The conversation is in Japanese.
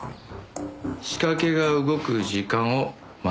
仕掛けが動く時間を間違えた。